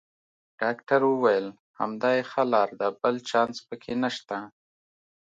ډاکټر وویل: همدا یې ښه لار ده، بل چانس پکې نشته.